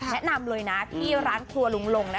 แนะนำเลยนะที่ร้านครัวลุงลง